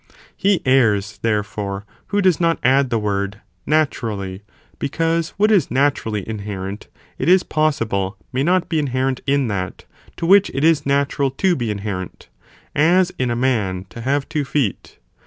He errs, therefore, who does not add the word naturally, because what is naturally inherent, it is possible may not be inherent in that, to which it is na tural to be inherent, as in a man to have two feet.